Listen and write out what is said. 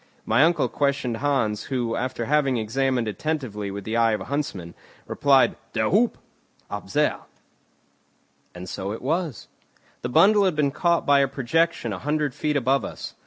My uncle questioned Hans, who, after having examined attentively with the eye of a huntsman, replied: "Der huppe!" "Up there." And so it was. The bundle had been caught by a projection a hundred feet above us.